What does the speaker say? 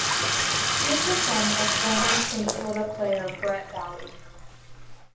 He is the son of former St Kilda player Brett Bowey.